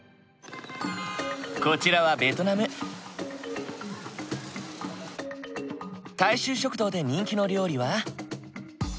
こちらは大衆食堂で人気の料理は。